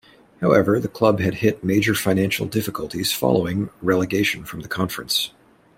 However, the club had hit major financial difficulties following relegation from the Conference.